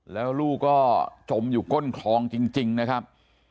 แล้วลูกก็จมอยู่ก้นคลองจริงนะครับ